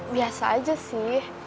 biasa aja sih